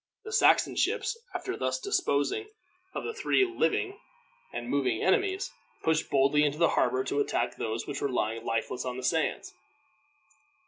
The Saxon ships, after thus disposing of the three living and moving enemies, pushed boldly into the harbor to attack those which were lying lifeless on the sands.